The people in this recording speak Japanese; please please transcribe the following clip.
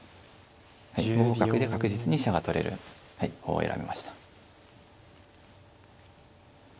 ５五角で確実に飛車が取れる方を選びました。